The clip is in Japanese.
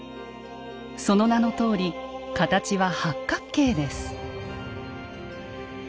その名のとおり形は八角形です。